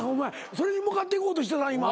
それに向かっていこうとしたな今。